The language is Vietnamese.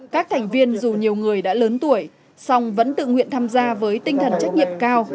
các thành viên dù nhiều người đã lớn tuổi song vẫn tự nguyện tham gia với tinh thần trách nhiệm cao